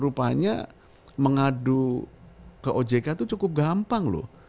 rupanya mengadu ke ojk itu cukup gampang loh